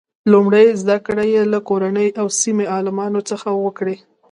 لومړنۍ زده کړې یې له کورنۍ او سیمې عالمانو څخه وکړې.